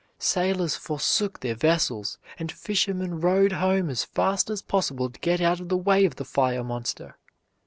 Sailors forsook their vessels, and fishermen rowed home as fast as possible to get out of the way of the fire monster.